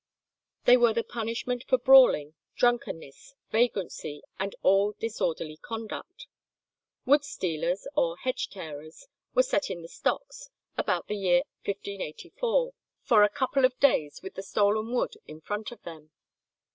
They were the punishment for brawling, drunkenness, vagrancy, and all disorderly conduct. Wood stealers or "hedge tearers" were set in the stocks, about the year 1584, for a couple of days with the stolen wood in front of them.